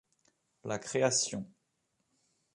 La création.